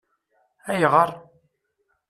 Ayɣeṛ?